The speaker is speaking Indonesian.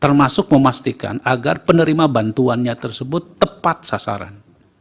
termasuk memastikan agar penerima bantuannya tersebut tepat sasaran